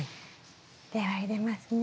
では入れますね。